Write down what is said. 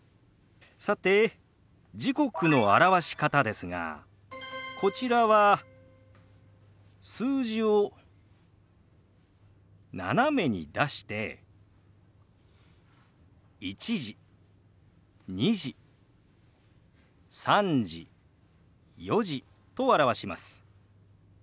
さて時刻の表し方ですがこちらは数字を斜めに出して「１時」「２時」「３時」「４時」と表します。